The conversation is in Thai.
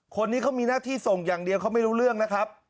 คนนี้เขามีหน้าที่ส่งอย่างเดียวเขาไม่รู้เรื่องนะครับ